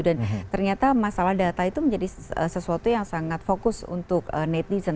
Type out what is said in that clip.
dan ternyata masalah data itu menjadi sesuatu yang sangat fokus untuk netizen